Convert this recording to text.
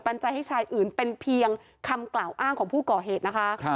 ปัญญาให้ชายอื่นเป็นเพียงคำกล่าวอ้างของผู้ก่อเหตุนะคะ